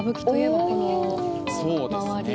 そうですね